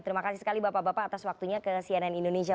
terima kasih sekali bapak bapak atas waktunya ke cnn indonesia